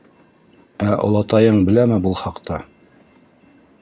Ә олатайың... беләме был хаҡта?